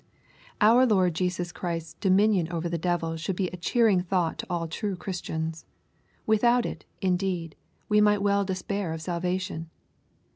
Our Lord Jesus Christ's dominion over the devil should be a cheering thought to all true Christians. Without it, indeed, we might well despair of salvation.